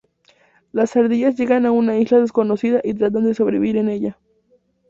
Las ardillas llegan a una isla desconocida, y tratan de sobrevivir en ella.